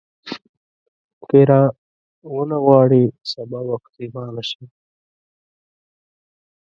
که یې راونه غواړې سبا به پښېمانه شې.